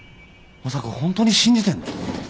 まさかホントに信じてんの？